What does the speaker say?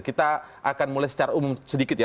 kita akan mulai secara umum sedikit ya